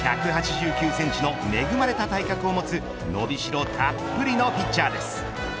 １８９センチの恵まれた体格を持つ伸びしろたっぷりのピッチャーです。